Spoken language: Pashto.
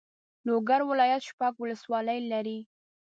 لوګر ولایت شپږ والسوالۍ لري.